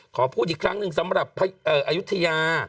ขอพูดอีกครั้งหนึ่งสำหรับอายุทยา